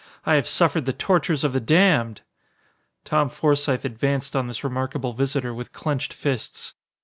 I have suffered the tortures of the damned!" Tom Forsythe advanced on this remarkable visitor with clenched fists.